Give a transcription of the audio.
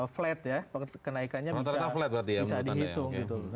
flat ya kenaikannya bisa dihitung gitu